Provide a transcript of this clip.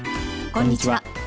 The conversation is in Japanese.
こんにちは。